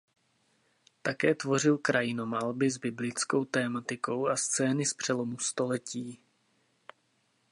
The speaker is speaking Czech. Také tvořil krajinomalby s biblickou tematikou a scény z přelomu století.